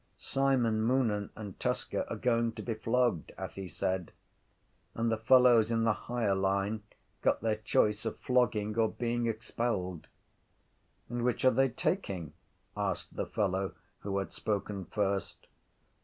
—Simon Moonan and Tusker are going to be flogged, Athy said, and the fellows in the higher line got their choice of flogging or being expelled. —And which are they taking? asked the fellow who had spoken first.